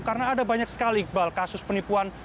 karena ada banyak sekali iqbal kasus penipuan